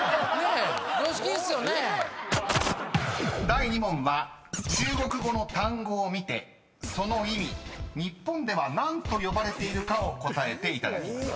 ［第２問は中国語の単語を見てその意味日本では何と呼ばれているかを答えていただきます。